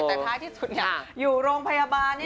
แต่ท้ายที่สุดอยู่โรงพยาบาลนี่นะคะ